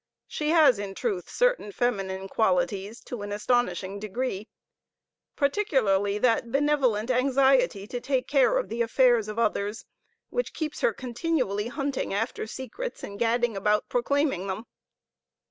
She has in truth certain feminine qualities to an astonishing degree, particularly that benevolent anxiety to take care of the affairs of others, which keeps her continually hunting after secrets and gadding about proclaiming them.